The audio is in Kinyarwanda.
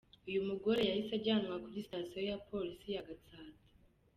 Uyu mugore yahise ajyanwa kuri Sitasiyo ya Polisi ya Gatsata.